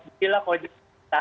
jadi lah kojek